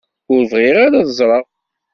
Ur bɣiɣ ara ad ẓreɣ.